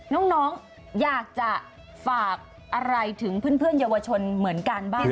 น้องอยากจะฝากอะไรถึงเพื่อนเยาวชนเหมือนกันบ้าง